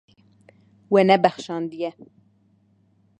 We nebexşandiye.